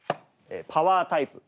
「パワータイプ」。